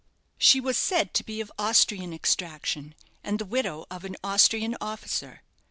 She was said to be of Austrian extraction, and the widow of an Austrian officer.